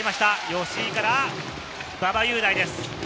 吉井から馬場雄大です。